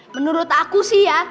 menurut aku sih ya